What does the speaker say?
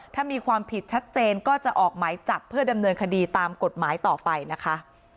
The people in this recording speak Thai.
ถ้ามีความผิดชัดเจนก็จะออกหมายจับเพื่อดำเนินคดีตามกฎหมายต่อไปนะคะ